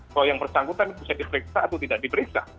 kalau yang bersangkutan bisa diperiksa atau tidak diperiksa